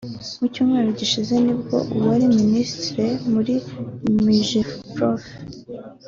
Mu cyumweru gishize ni bwo uwari Minisitiri muri Migeprof